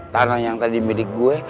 tanah yang tadi milik gue